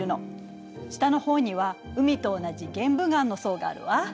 下の方には海と同じ玄武岩の層があるわ。